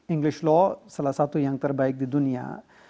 inggris law salah satu yang terbaik di dunia